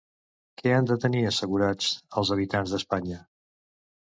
Què han de tenir assegurats, els habitants d'Espanya?